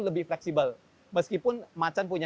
lebih fleksibel meskipun macan punya